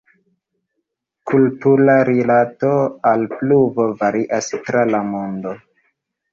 Kultura rilato al pluvo varias tra la mondo.